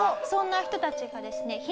そんな人たちがですね